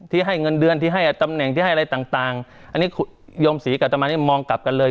ให้เงินเดือนที่ให้ตำแหน่งที่ให้อะไรต่างอันนี้โยมศรีกับอัตมานี่มองกลับกันเลย